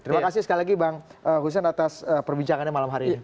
terima kasih sekali lagi bang hussein atas perbincangannya malam hari ini